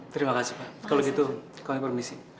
terima kasih pak kalau gitu kami permisi